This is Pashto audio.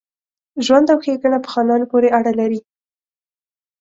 ژوند او ښېګڼه په خانانو پوري اړه لري.